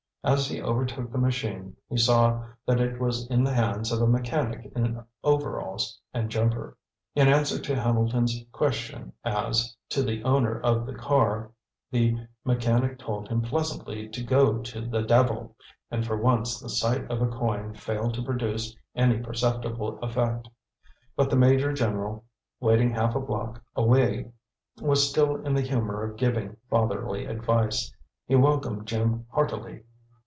As he overtook the machine, he saw that it was in the hands of a mechanic in overalls and jumper. In answer to Hambleton's question as, to the owner of the car, the mechanic told him pleasantly to go to the devil, and for once the sight of a coin failed to produce any perceptible effect. But the major general, waiting half a block away, was still in the humor of giving fatherly advice. He welcomed Jim heartily.